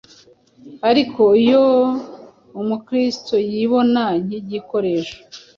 Ariko iyo Umukristo yibona nk’igikoresho